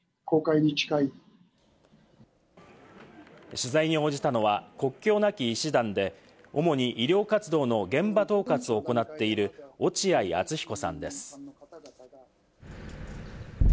取材に応じたのは国境なき医師団で主に医療活動の現場統括を行っている落合厚彦さんです。